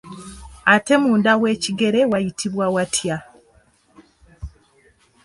Ate munda w'ekigere wayitibwa watya?